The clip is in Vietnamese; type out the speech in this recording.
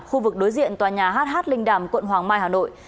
khu vực đối diện tòa nhà hh linh đàm quận hoàng mai hà nội